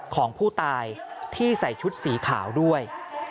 ของผู้ตายที่ใส่ชุดสีขาวด้วย